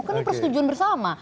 kan itu persetujuan bersama